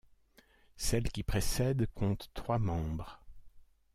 Celle qui précède compte trois membres.